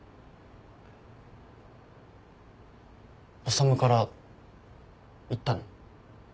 修から言ったの？